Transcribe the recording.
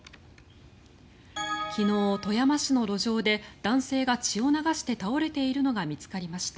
昨日、富山市の路上で男性が血を流して倒れているのが見つかりました。